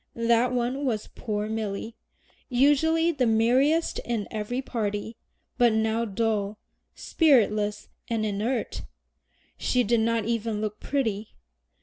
That one was poor Milly, usually the merriest in every party, but now dull, spiritless, and inert. She did not even look pretty!